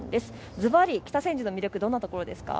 ずばり北千住の魅力はどんなところですか。